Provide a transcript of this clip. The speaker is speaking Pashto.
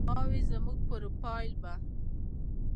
ما وې زما پروفائيل به